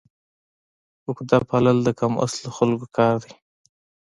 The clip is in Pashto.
عقده پالل د کم اصلو خلکو کار دی.